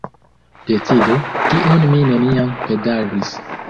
Decido, kiun mi neniam bedaŭris.